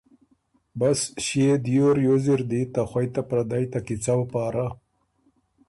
بس ݭيې دیو ریوز اِر دی ته خوئ ته پردئ ته کیڅؤ پاره